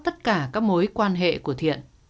tất cả các mối quan hệ của thiện